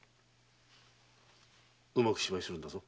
うまく芝居するんだぞ。